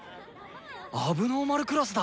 問題児クラスだ！